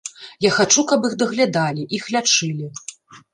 Я хачу, каб іх даглядалі, іх лячылі.